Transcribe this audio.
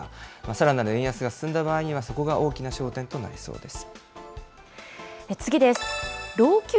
さらなる円安が進んだ場合には、そこが大きな焦点となりそうです。